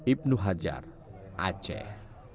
ibnu hajar aceh